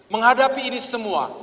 menghadapi ini semua